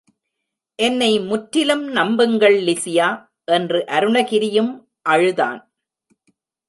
என்னை முற்றிலும் நம்புங்கள் லிசியா! என்று அருணகிரியும் அழுதான்.